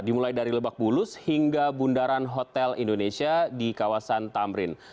dimulai dari lebak bulus hingga bundaran hotel indonesia di kawasan tamrin